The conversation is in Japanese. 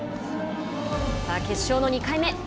さあ決勝の２回目。